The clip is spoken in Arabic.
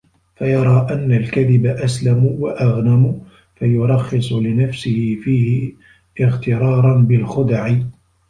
فَيَرَى أَنَّ الْكَذِبَ أَسْلَمُ وَأَغْنَمُ فَيُرَخِّصُ لِنَفْسِهِ فِيهِ اغْتِرَارًا بِالْخُدَعِ